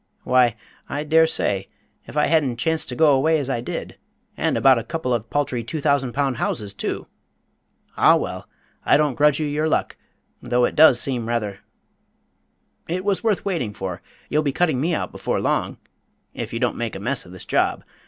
Why, I dare say, if I hadn't chanced to go away as I did and about a couple of paltry two thousand pound houses, too! Ah, well, I don't grudge you your luck, though it does seem rather It was worth waiting for; you'll be cutting me out before long if you don't make a mess of this job.